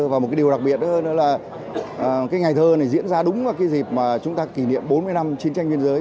và một điều đặc biệt nữa là ngày thơ này diễn ra đúng vào dịp chúng ta kỷ niệm bốn mươi năm chiến tranh biên giới